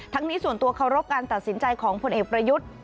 นี้ส่วนตัวเคารพการตัดสินใจของผลเอกประยุทธ์